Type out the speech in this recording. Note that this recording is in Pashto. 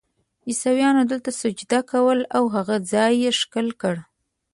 عیسویانو دلته سجده کوله او هغه ځای یې ښکل کړ.